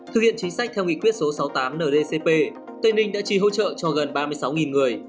thực hiện chính sách theo nghị quyết số sáu mươi tám ndcp tây ninh đã trì hỗ trợ cho gần ba mươi sáu người